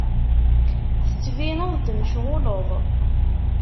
Tettbineḍ-d mecɣuleḍ.